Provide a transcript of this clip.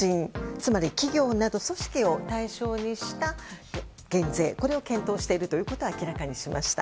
つまり企業など組織を対象にした減税これを検討しているということを明らかにしました。